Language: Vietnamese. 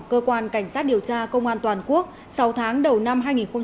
cơ quan cảnh sát điều tra công an toàn quốc sáu tháng đầu năm hai nghìn một mươi chín